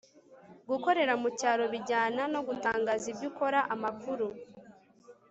gukorera mu mucyo rero bijyana no gutangaza ibyo ukora. amakuru